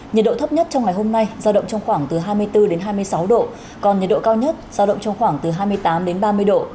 nhiệt độ thấp nhất trong ngày hôm nay giao động trong khoảng từ hai mươi bốn đến hai mươi sáu độ còn nhiệt độ cao nhất giao động trong khoảng từ hai mươi tám đến ba mươi độ